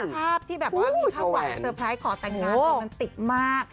ภาพที่แบบว่ามีภาพหวานเซอร์ไพรส์ขอแต่งงานตอนนั้นติดมาก